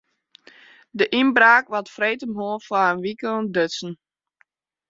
De ynbraak waard freedtemoarn foar in wike ûntdutsen.